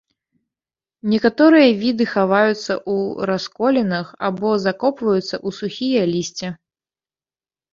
Некаторыя віды хаваюцца ў расколінах або закопваюцца ў сухія лісце.